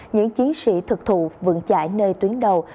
những chiến sĩ thực thụ vượn chạy nơi tuyến đầu